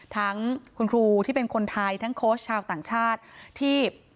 ทั้งคุณครูที่เป็นคนไทยทั้งโค้ชชาวต่างชาติที่